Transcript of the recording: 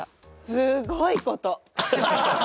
すごいこと！